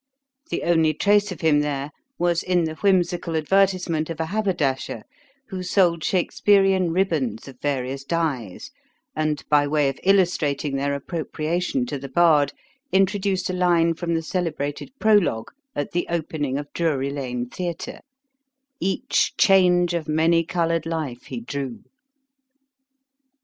The only trace of him there, was in the whimsical advertisement of a haberdasher, who sold Shakspearian ribbands of various dyes; and, by way of illustrating their appropriation to the bard, introduced a line from the celebrated Prologue at the opening of Drury lane theatre: 'Each change of many colour'd life he drew.'